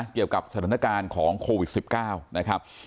เกี่ยวกับสถานการณ์ของโควิด๑๙